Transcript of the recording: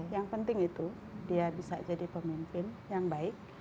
yang penting itu dia bisa jadi pemimpin yang baik